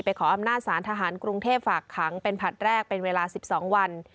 ขออำนาจสารทหารกรุงเทพฝากขังเป็นผลัดแรกเป็นเวลา๑๒วัน